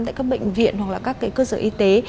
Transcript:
tại các bệnh viện hoặc là các cái cơ sở y tế